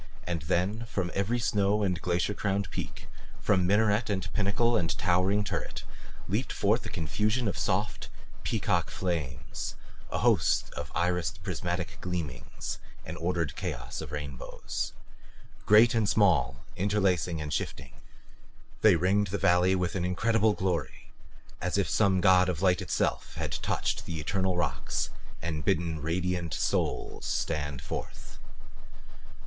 And then from every snow and glacier crowned peak, from minaret and pinnacle and towering turret, leaped forth a confusion of soft peacock flames, a host of irised prismatic gleamings, an ordered chaos of rainbows. Great and small, interlacing and shifting, they ringed the valley with an incredible glory as if some god of light itself had touched the eternal rocks and bidden radiant souls stand forth.